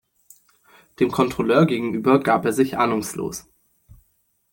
Dem Kontrolleur gegenüber gab er sich ahnungslos.